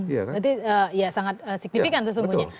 berarti ya sangat signifikan sesungguhnya